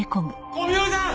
小宮山さん！